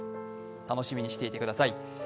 楽しみにしていてください。